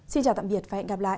xin chào tạm biệt và hẹn gặp lại